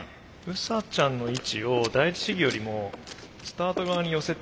ウサちゃんの位置を第一試技よりもスタート側に寄せてる。